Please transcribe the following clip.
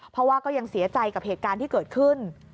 เพราะว่าก็ยังเสียใจกับเหตุการณ์ที่เกิดขึ้น